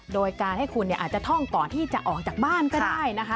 โดยการให้คุณอาจจะท่องก่อนที่จะออกจากบ้านก็ได้นะคะ